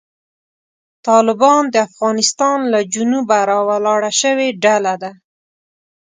طالبان د افغانستان له جنوبه راولاړه شوې ډله ده.